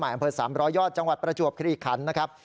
อำเภิกซ์สามร้อยยอดจังหวัดประจวบคลีขันนะครับ